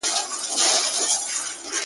غلیم خو به ویل چي دا وړۍ نه شړۍ کیږي-